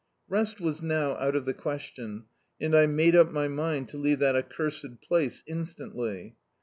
Rest was now out of the questicn, and I made up my mind to leave that accursed place instantly.